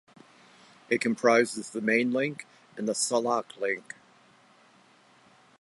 It comprises the Main Link and the Salak Link.